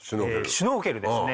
シュノーケルですね